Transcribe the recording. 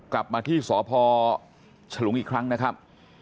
กลับมาที่สพฉลุงอีกครั้งนะครับ